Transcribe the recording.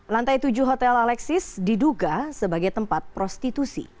lantai tujuh hotel alexis diduga sebagai tempat prostitusi